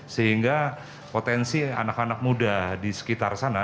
sehingga potensi anak anak muda di sekitar sana